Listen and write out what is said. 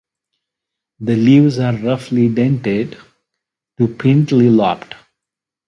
The leaves are roughly dentate to pinnately lobed.